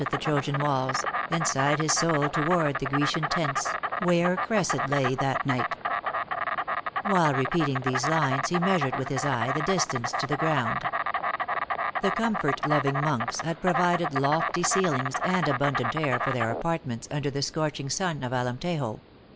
the Trojan walls, And sighed his soul toward the Grecian tents, Where Cressid lay that night." While repeating these lines, he measured with his eye the distance to the ground. The comfort loving monks had provided lofty ceilings and abundant air for their apartments under the scorching sun of Alein tejo.